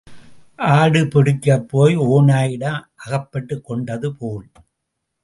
ஆடு பிடிக்கப்போய் ஓநாயிடம் அகப்பட்டுக் கொண்டது போல்.